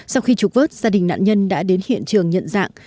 sau khi trục vớt gia đình nạn nhân đã đến hiện trường nhận dạng